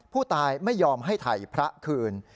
ผู้ตายไม่ยอมให้ไถ่พระคืน